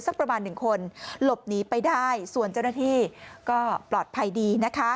สักประมาณ๑คนลบหนีไปได้ส่วนเจ้าหน้าที่ก็ปลอดภัยดี